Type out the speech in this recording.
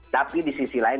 tapi di sisi lain